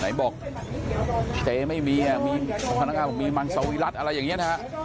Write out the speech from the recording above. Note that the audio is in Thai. ไหนบอกเจ๊ไม่มีพนักงานบอกมีมันเซาวิรัติอะไรอย่างนี้นะครับ